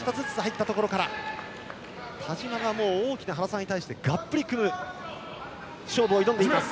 両者に指導が２つずつ入ったところから田嶋がもう大きな原沢に対してがっぷり組む勝負を挑んでいます。